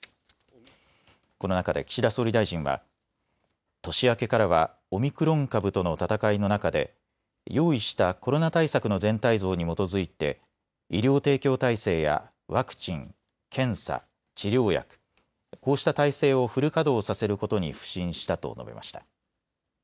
この中で岸田総理大臣は年明けからはオミクロン株とのたたかいの中で用意したコロナ対策の全体像に基づいて医療提供体制やワクチン、検査、治療薬、こうした体制をフル稼働させることに腐心したと述べました。